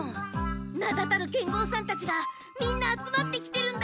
名だたる剣豪さんたちがみんな集まってきてるんだ。